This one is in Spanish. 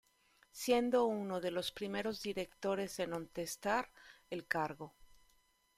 Siendo uno de los primeros directores en ostentar el cargo.